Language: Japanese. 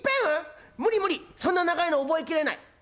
無理無理そんな長いの覚えきれない。